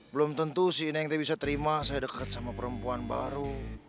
belum tentu si neng tuh bisa terima saya dekat sama perempuan baru